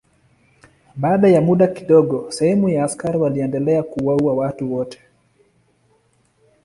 Baada ya muda kidogo sehemu ya askari waliendelea kuwaua watu wote.